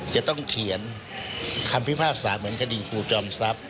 จะต้องเขียนคำพิพากษาเหมือนคดีครูจอมทรัพย์